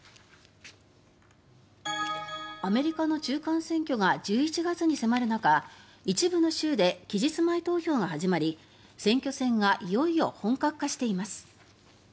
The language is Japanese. アメリカの中間選挙が１１月に迫る中一部の州で期日前投票が始まり選挙戦がいよいよ本格化しています。